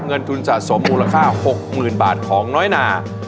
เงินทุนสะสมมูลค่า๖๐๐๐บาทของน้อยนา